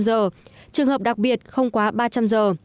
trường hợp đặc biệt không quá ba trăm linh giờ